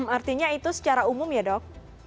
artinya itu secara umum ya dok